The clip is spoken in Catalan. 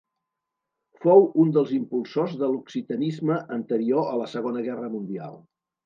Fou un dels impulsors de l'occitanisme anterior a la Segona Guerra Mundial.